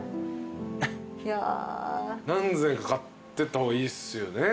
何膳か買ってった方がいいっすよね。